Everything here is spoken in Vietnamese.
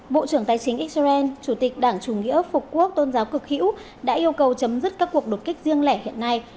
bộ trưởng tài chính israel chủ tịch đảng chủ nghĩa phục quốc tôn giáo cực hữu đã yêu cầu chấm dứt các cuộc đột kích riêng lẻ hiện nay